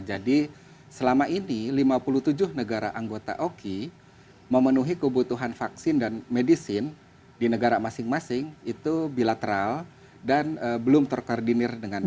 selama ini lima puluh tujuh negara anggota oki memenuhi kebutuhan vaksin dan medisin di negara masing masing itu bilateral dan belum terkoordinir dengan